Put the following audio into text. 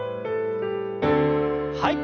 はい。